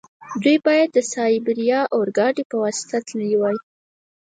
دوی باید د سایبیریا اورګاډي په واسطه تللي وای.